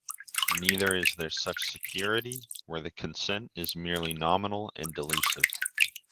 Neither is there such security, where the consent is merely nominal and delusive.